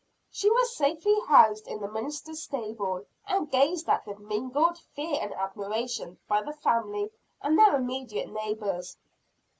She was safely housed in the minister's stable, and gazed at with mingled fear and admiration by the family and their immediate neighbors.